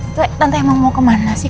tante emang mau kemana sih